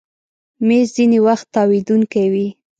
مېز ځینې وخت تاوېدونکی وي.